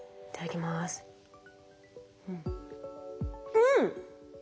うん！